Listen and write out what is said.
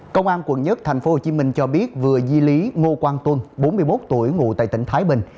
công an quận một tp hcm cho biết vừa di lý ngô quang tuân bốn mươi một tuổi ngụ tại tỉnh thái bình